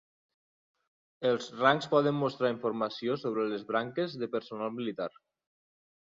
Els rangs poden mostrar informació sobre les branques de personal militar.